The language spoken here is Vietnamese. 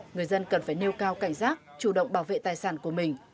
người dân cần phải nêu cao cảnh giác chủ động bảo vệ tài sản của mình